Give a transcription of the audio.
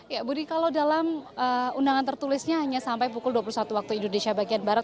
ya budi kalau dalam undangan tertulisnya hanya sampai pukul dua puluh satu waktu indonesia bagian barat